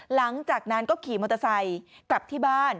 หลังจากนั้นก็ขี่มอเตอร์ไซค์กลับที่บ้าน